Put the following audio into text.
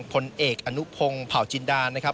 ผลเอกอนุพงศ์เผาจินดานะครับ